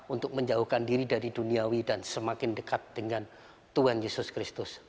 untuk menjauhkan diri dari duniawi dan semakin dekat dengan tuhan yesus kristus